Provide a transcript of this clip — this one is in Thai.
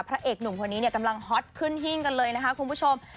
พระเอกหนุ่มคนนี้เนี่ยกำลังฮอตขึ้นหิ้งกันเลยนะคะคุณผู้ชม